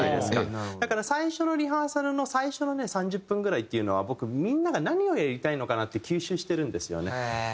だから最初のリハーサルの最初のね３０分ぐらいっていうのは僕みんなが何をやりたいのかなって吸収してるんですよね。